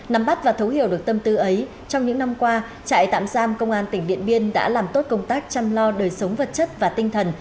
nắm bắt và thấu hiểu được tâm tư ấy trong những năm qua trại tạm giam công an tỉnh điện biên đã làm tốt công tác chăm lo đời sống vật chất và tinh thần